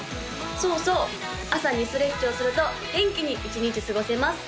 そうそう朝にストレッチをすると元気に一日過ごせます